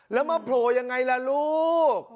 แล้วมาโผลจะไงล่ะลูก